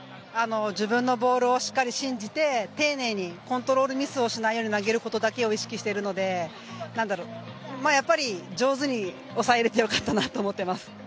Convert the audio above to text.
自分のボールをしっかり信じてていねいにコントロールミスをしないことだけを意識しているのでやっぱり、上手に抑えられてよかったなと思います。